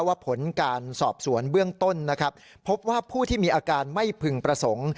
ผลการสอบสวนเบื้องต้นนะครับพบว่าผู้ที่มีอาการไม่พึงประสงค์